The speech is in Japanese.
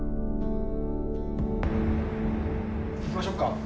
行きましょうか。